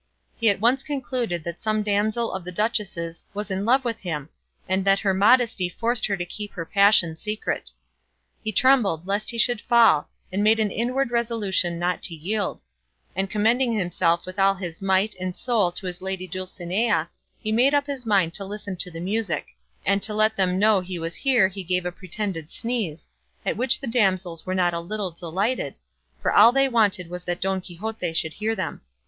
He at once concluded that some damsel of the duchess's was in love with him, and that her modesty forced her to keep her passion secret. He trembled lest he should fall, and made an inward resolution not to yield; and commending himself with all his might and soul to his lady Dulcinea he made up his mind to listen to the music; and to let them know he was there he gave a pretended sneeze, at which the damsels were not a little delighted, for all they wanted was that Don Quixote should hear them.